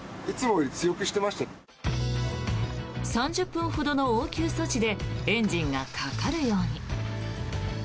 ３０分ほどの応急処置でエンジンがかかるように。